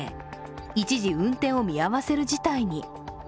一時、運転を見合わせる事態に。